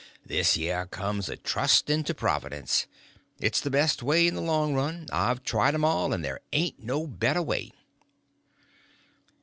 Thish yer comes of trust'n to Providence. It's the best way, in the long run. I've tried 'em all, and ther' ain't no better way."